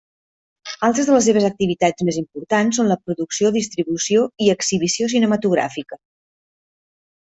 Altres de les seves activitats més importants són la producció, distribució i exhibició cinematogràfica.